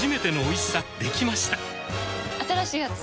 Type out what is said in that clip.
新しいやつ？